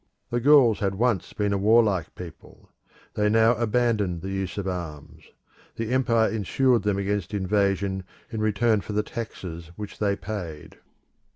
The Gauls had once been a warlike people; they now abandoned the use of arms. The empire insured them against invasion in return for the taxes which they paid.